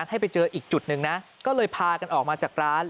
ให้ไปเจออีกจุดหนึ่งนะก็เลยพากันออกมาจากร้าน